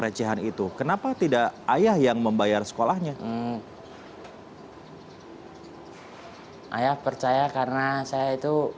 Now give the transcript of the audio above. pelecehan itu kenapa tidak ayah yang membayar sekolahnya ayah percaya karena saya itu